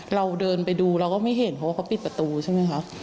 เราเดินไปดูเราก็ไม่เห็นเพราะว่าเขาปิดประตูใช่ไหมคะ